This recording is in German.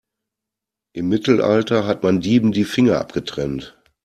Im Mittelalter hat man Dieben die Finger abgetrennt.